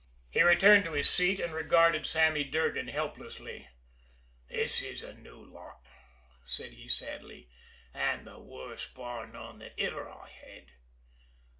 He returned to his seat, and regarded Sammy Durgan helplessly. "'Tis a new lot," said he sadly, "an' the worst, bar none, that iver I had."